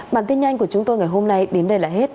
bản tin nhanh của chúng tôi ngày hôm nay đến đây là hết